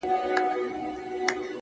يو نه دی چي و تاته په سرو سترگو ژاړي؛